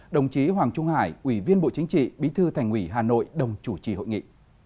đồng chí hoàng trung hải ủy viên bộ chính trị bí thư thành ủy hà nội đồng chủ trì hội nghị